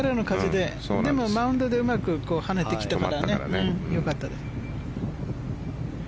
でもマウンドでうまく跳ねてきたからよかったです。